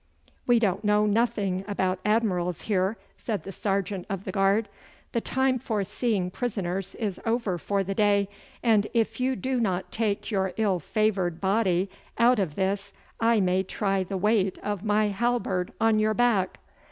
'We don't know nothing about admirals here,' said the sergeant of the guard. 'The time for seeing prisoners is over for the day, and if you do not take your ill favoured body out of this I may try the weight o' my halberd on your back.